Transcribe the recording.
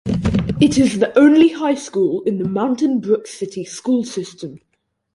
It is the only high school in the Mountain Brook City School System.